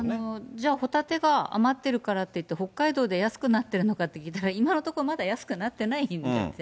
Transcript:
じゃあ、ホタテが余ってるからっていって、北海道で安くなってるのかって聞いたら、今のところまだ安くなってないみたいで。